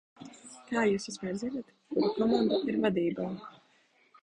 Kā jūs vispār zināt, kura komanda ir vadībā?